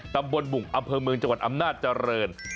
ตำบลบุงอำเภอเมืองจักรอัมหน้าจรรย์